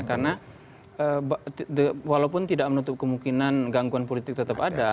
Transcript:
karena walaupun tidak menutup kemungkinan gangguan politik tetap ada